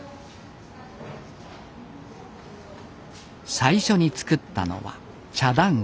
最初に作ったのは茶団子。